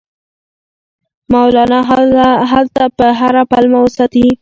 مولنا هلته په هره پلمه وساتي.